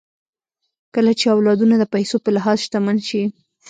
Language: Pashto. کله چې اولادونه د پيسو په لحاظ شتمن سي